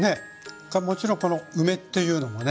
それからもちろんこの梅っていうのもね